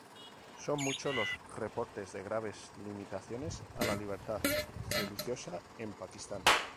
Son muchos los reportes de graves limitaciones a la libertad religiosa en Pakistán.